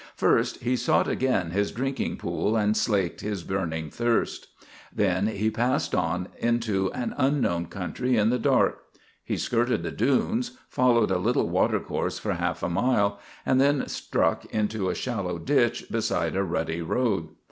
First, he sought again his drinking pool and slaked his burning thirst. Then he passed on into an unknown country in the dark. He skirted the dunes, followed a little watercourse for half a mile, and then struck into a shallow ditch beside a rutty road.